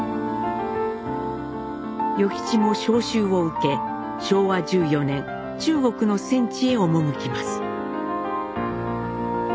与吉も召集を受け昭和１４年中国の戦地へ赴きます。